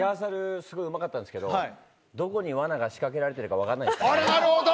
すごいうまかったんですけどどこにわなが仕掛けられてるかなるほど。